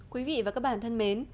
quý vị và các bạn thân mến